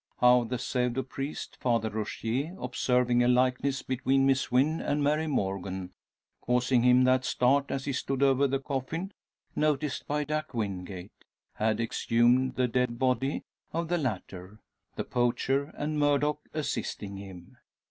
How the pseudo priest, Father Rogier, observing a likeness between Miss Wynn and Mary Morgan causing him that start as he stood over the coffin, noticed by Jack Wingate had exhumed the dead body of the latter, the poacher and Murdock assisting him.